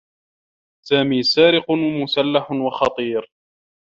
سامي سارق مسلّح و خطير.